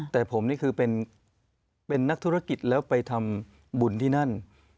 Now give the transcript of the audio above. แต่ผมนี่คือเป็นนักธุรกิจแล้วไปทำบุญที่นั่น